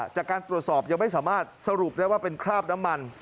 จากการตรวจสอบยังไม่สามารถสรุปได้ว่าเป็นคราบน้ำมัน